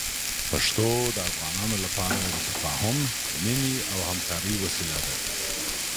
پښتو د افغانانو لپاره د تفاهم، مینې او همکارۍ وسیله ده.